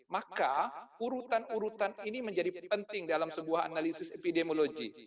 maka urutan urutan ini menjadi penting dalam sebuah analisis epidemiologi